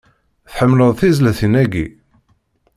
Tḥemmleḍ tizlatin-agi?